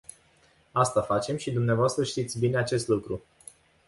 Asta facem, și dvs. știți bine acest lucru.